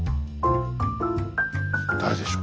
誰でしょ？